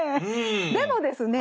でもですね